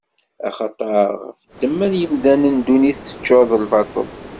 Axaṭer ɣef ddemma n yemdanen, ddunit teččuṛ d lbaṭel.